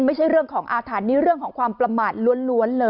ไม่ใช่เรื่องของอาถรรพ์นี่เรื่องของความประมาทล้วนเลย